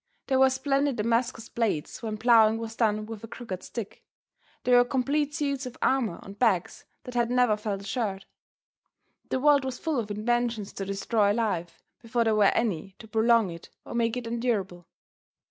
There were splendid Damascus blades when plowing was done with a crooked stick. There were complete suits of armor on backs that had never felt a shirt. The world was full of inventions to destroy life before there were any to prolong it or make it endurable.